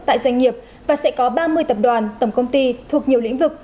tại doanh nghiệp và sẽ có ba mươi tập đoàn tổng công ty thuộc nhiều lĩnh vực